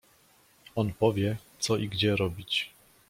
"On powie, co i gdzie robić."